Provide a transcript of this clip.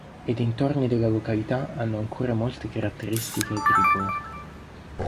I dintorni della località hanno ancora molte caratteristiche agricole.